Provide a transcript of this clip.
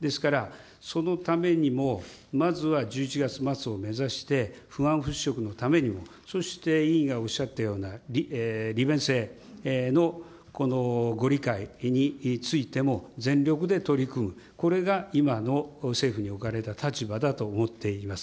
ですから、そのためにもまずは１１月末を目指して、不安払拭のためにも、そして委員がおっしゃったような利便性のご理解についても、全力で取り組む、これが今の政府に置かれた立場だと思っています。